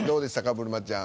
ぶるまちゃん。